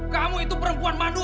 kamu itu perempuan mandu